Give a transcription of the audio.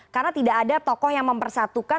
karena tidak ada tokoh yang mempersatukan